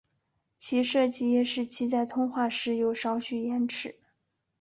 其设计也使其在通话时有少许延迟。